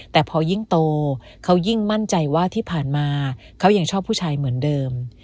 แต่พอยิ่งโตเขายิ่งมั่นใจว่าที่ผ่านมาเขายังชอบผู้ชายเหมือนเดิม